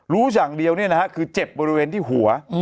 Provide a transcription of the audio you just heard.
รู้อย่างเดียวคือเจ็บบริเวณที่หัว